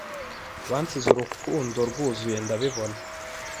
Wansize urukundo rwuzuye ndabibona